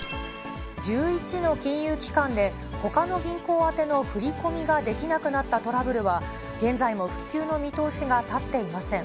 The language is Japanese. １１の金融機関で、ほかの銀行宛ての振り込みができなくなったトラブルは、現在も復旧の見通しが立っていません。